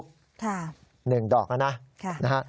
ค่ะค่ะหนึ่งดอกนะนะฮะ